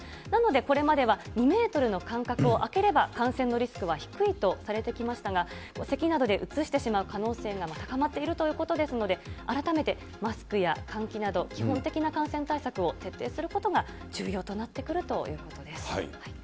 なのでこれまでは２メートルの間隔を空ければ感染のリスクは低いとされてきましたが、せきなどでうつしてしまう可能性が高まっているということですので、改めてマスクや換気など、基本的な感染対策を徹底することが重要となってくるということです。